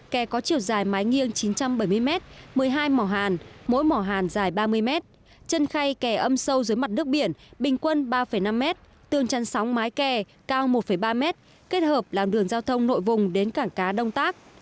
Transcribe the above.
kè có chiều dài mái nghiêng chín trăm bảy mươi m một mươi hai mỏ hàn mỗi mỏ hàn dài ba mươi mét chân khay kè âm sâu dưới mặt nước biển bình quân ba năm mét tương chăn sóng mái kè cao một ba mét kết hợp làm đường giao thông nội vùng đến cảng cá đông tác